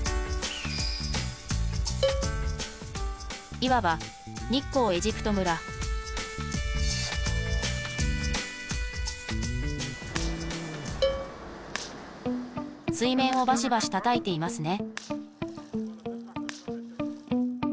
いわば日光エジプト村水面をバシバシたたいていますね